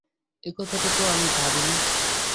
এই কথাটা তো আমি ভাবিনি।